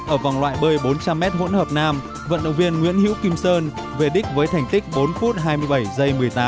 ở vòng loại bơi bốn trăm linh m hỗn hợp nam vận động viên nguyễn hữu kim sơn về đích với thành tích bốn phút hai mươi bảy một mươi tám